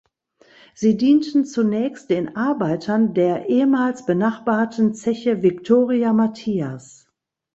Sie dienten zunächst den Arbeitern der ehemals benachbarten Zeche Victoria Mathias.